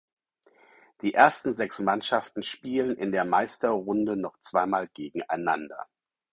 Die ersten sechs Mannschaften spielen in der Meisterrunde noch zweimal gegeneinander.